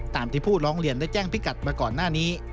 ที่ผู้ร้องเรียนได้แจ้งพิกัดมาก่อนหน้านี้